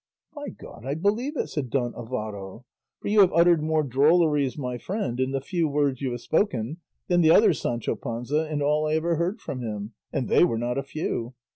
"By God I believe it," said Don Alvaro; "for you have uttered more drolleries, my friend, in the few words you have spoken than the other Sancho Panza in all I ever heard from him, and they were not a few.